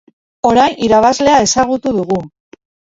Orain, irabazlea ezagutu dugu.